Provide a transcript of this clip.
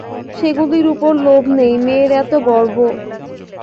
সেগুলির উপরে লোভ নেই– মেয়ের এত গর্ব!